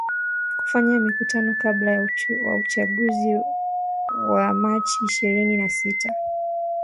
kufanya mikutano kabla ya uchaguzi wa machi ishirini na sita